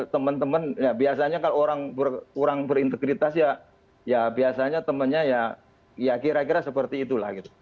teman teman ya biasanya kalau orang berintegritas ya biasanya temannya ya kira kira seperti itulah gitu